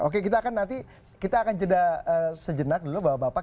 oke kita akan nanti kita akan jeda sejenak dulu bapak bapak